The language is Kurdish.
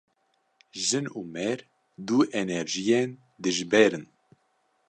Jin û mêr, du enerjiyên dijber in